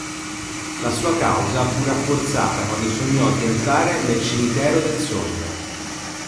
La sua causa fu rafforzata quando sognò di entrare nel cimitero del Sogno.